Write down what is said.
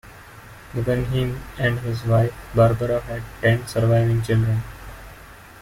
Guggenheim and his wife Barbara had ten surviving children.